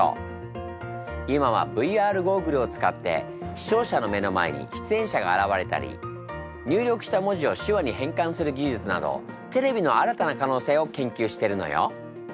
今はＶＲゴーグルを使って視聴者の目の前に出演者が現れたり入力した文字を手話に変換する技術などテレビの新たな可能性を研究してるのよ。